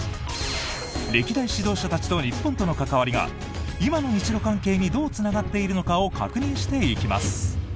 歴代指導者たちと日本との関わりが今の日ロ関係にどうつながっているのかを確認していきます。